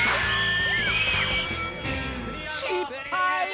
しっぱい！